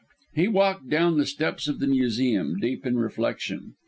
He walked down the steps of the Museum, deep in reflection.